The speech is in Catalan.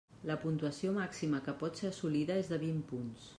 La puntuació màxima que pot ser assolida és de vint punts.